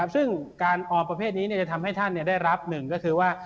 ซึ่งการออมประเภทนี้จะทำให้ท่านได้รับหนึ่งก็คือว่า